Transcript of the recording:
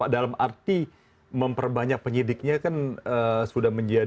dalam arti memperbanyak penyidiknya kan sudah menjadi